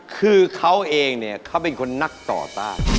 คือเขาเองเนี่ยเขาเป็นคนนักต่อต้าน